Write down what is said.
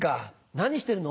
何してるの？